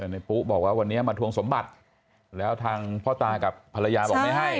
ในปุ๊บอกว่าวันนี้มาทวงสมบัติแล้วทางพ่อตากับภรรยาบอกไม่ให้